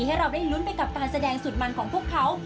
ให้เราได้ลุ้นไปกับการแสดงสุดมันของพวกเขา